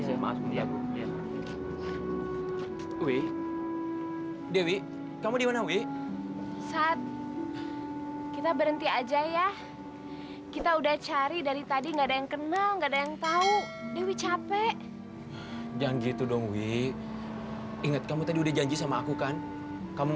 sampai jumpa di video selanjutnya